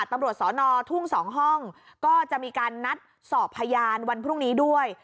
ตำรวจสอนอทุ่ง๒ห้องก็จะมีการนัดสอบพยานวันพรุ่งนี้ด้วย